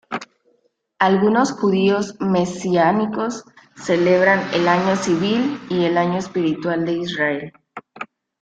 Algunos judíos mesiánicos celebran el año civil y el año espiritual de Israel.